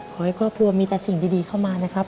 ขอให้ครอบครัวมีแต่สิ่งดีเข้ามานะครับ